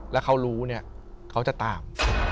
แล้วเขารู้เนี่ยเขาจะตาม